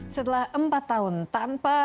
setelah empat tahun tanpa